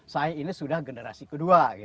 saya ini sudah generasi kedua